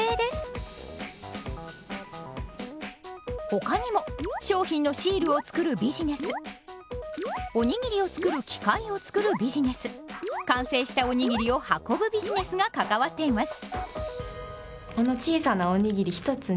ほかにも商品のシールを作るビジネスおにぎりを作る機械を作るビジネス完成したおにぎりを運ぶビジネスが関わっています。